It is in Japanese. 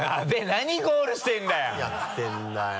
何ゴールしてるんだよ何やってるんだよ。